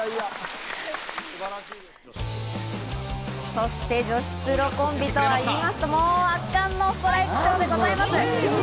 そして女子プロコンビはといいますと、圧巻のストライクショーでございます。